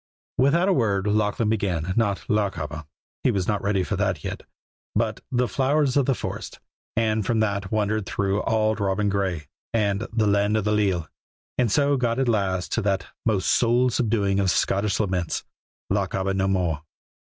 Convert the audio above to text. Without a word Lachlan began, not "Lochaber" he was not ready for that yet but "The Flowers o' the Forest," and from that wandered through "Auld Robin Gray" and "The Land o' the Leal," and so got at last to that most soul subduing of Scottish laments, "Lochaber No More."